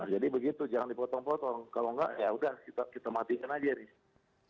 jadi begitu jangan dipotong potong kalau enggak ya sudah kita matikan saja ini